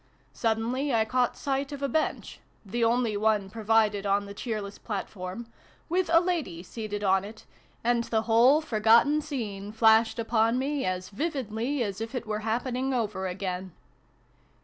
Suddenly I caught sight of a bench the only one provided on II] LOVE'S CURFEW. 21 the cheerless platform with a lady seated on it, and the whole forgotten scene flashed upon me as vividly as if it were happening over again.